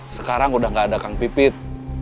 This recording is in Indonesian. sekarang udah gak ada kang pipit